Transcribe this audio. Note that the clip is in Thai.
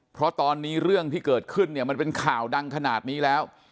เพราะตอนนี้เรื่องที่เกิดขึ้นเนี่ยมันเป็นข่าวดังขนาดนี้แล้ว